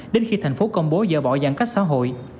đến khi tp hcm dỡ bỏ giãn cách xã hội